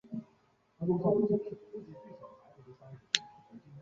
这些因基的变异也许有助于了解为何某些膀膀胱癌长得比较快。